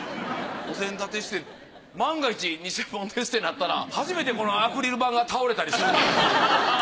お膳立てして万が一偽物ですってなったら初めてこのアクリル板が倒れたりする。